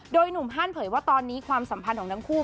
โดยหนุ่มฮันเผยว่าตอนนี้ความสัมพันธ์ของทั้งคู่